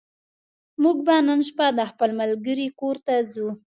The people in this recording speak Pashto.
موږ به نن شپه د خپل ملګرې کور ته ځو